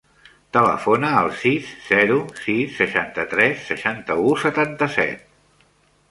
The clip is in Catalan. Telefona al sis, zero, sis, seixanta-tres, seixanta-u, setanta-set.